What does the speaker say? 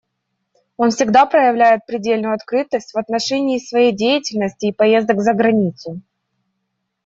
Он всегда проявляет предельную открытость в отношении своей деятельности и поездок за границу.